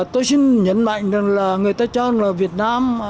tôi xin nhấn mạnh rằng là người ta cho rằng là việt nam